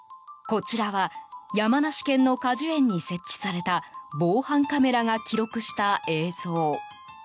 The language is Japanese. こちらは山梨県の果樹園に設置された防犯カメラが記録した映像。